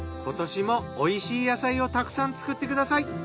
今年もおいしい野菜をたくさん作ってください。